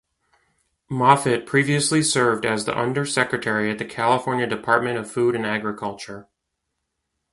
Moffitt previously served as the Undersecretary at the California Department of Food and Agriculture.